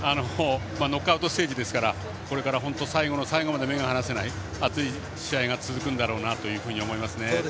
ノックアウトステージですからこれから本当に最後の最後まで目が離せない、熱い試合が続くんだろうなと思いますね。